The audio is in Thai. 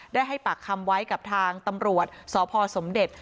ให้ปากคำไว้กับทางตำรวจสพสมเด็จ